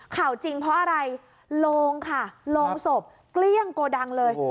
ข่าวจริงเพราะอะไรโรงค่ะโรงศพเกลี้ยงโกดังเลย